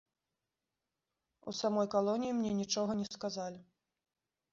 У самой калоніі мне нічога не сказалі.